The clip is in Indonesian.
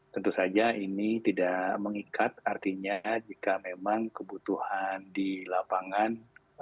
tentu saja ini tidak mengikat artinya jika memang kebutuhan di lapangan